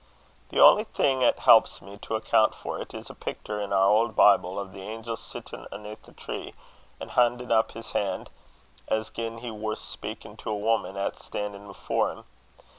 "The only thing 'at helps me to account for't, is a picter in our auld Bible, o' an angel sittin' aneth a tree, and haudin' up his han' as gin he were speakin' to a woman 'at's stan'in' afore him.